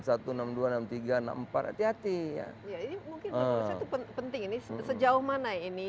ya ini mungkin penting ini sejauh mana ini